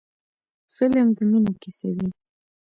فلم د مینې کیسه وي